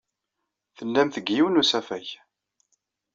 Tellamt deg yiwen n usafag.